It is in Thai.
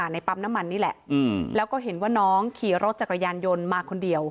ในปั๊มน้ำมันนี่แหละแล้วก็เห็นว่าน้องขี่รถจักรยานยนต์มาคนเดียว